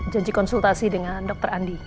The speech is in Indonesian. janji konsultasi dengan dokter andi